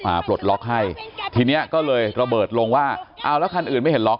ปลดล็อกให้ทีเนี้ยก็เลยระเบิดลงว่าเอาแล้วคันอื่นไม่เห็นล็